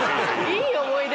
いい思い出。